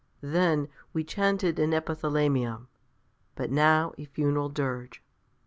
Then we chanted an epithalamium, but now a funeral dirge!